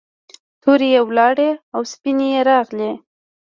تورې یې ولاړې او سپینې یې راغلې.